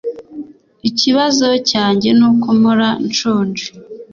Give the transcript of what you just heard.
Ikibazo cyanjye nuko mpora nshonje.